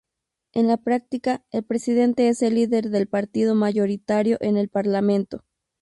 En la práctica el presidente es el líder del partido mayoritario en el parlamento.